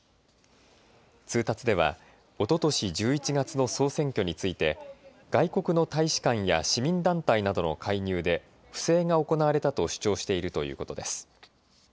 通達ではおととし１１月の総選挙について外国の大使館や市民団体などの介入で不正が行われたと主張しているということです。